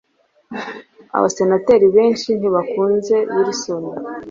Abasenateri benshi ntibakunze Wilson.